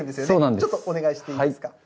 ちょっとお願いしていいですか。